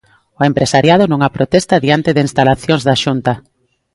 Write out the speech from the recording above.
O empresariado nunha protesta diante de instalacións da Xunta.